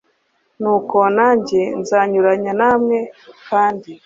nuko nanjye nzanyuranya namwe kandi